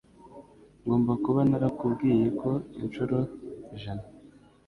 Ngomba kuba narakubwiye ko inshuro ijana.